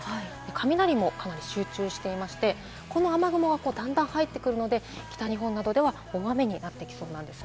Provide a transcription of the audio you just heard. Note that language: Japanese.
雷もかなり集中していまして、この雨雲は段々入ってくるので、北日本などでは大雨になっていきそうなんです。